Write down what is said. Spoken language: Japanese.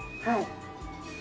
はい。